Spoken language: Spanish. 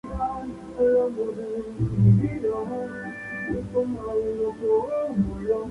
Estos distritos eran La Catedral, Las Nieves, San Victorino y Santa Bárbara.